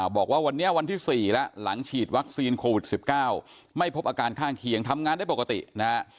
บอกว่าวันนี้วันที่๔แล้วหลังฉีดวัคซีนโควิด๑๙ไม่พบอาการข้างเคียงทำงานได้ปกตินะฮะ